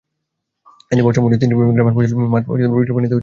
এতে বর্ষা মৌসুমে তিনটি গ্রামের ফসলি মাঠ বৃষ্টির পানিতে তলিয়ে যেতে পারে।